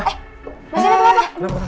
masih ada kenapa